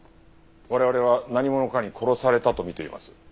我々は何者かに殺されたとみています。